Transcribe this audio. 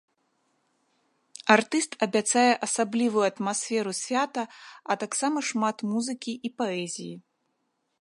Артыст абяцае асаблівую атмасферу свята, а таксама шмат музыкі і паэзіі.